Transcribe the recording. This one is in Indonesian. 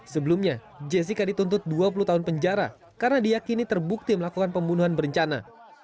sebelumnya jessica dituntut dua puluh tahun penjara karena diakini terbukti melakukan pembunuhan berencana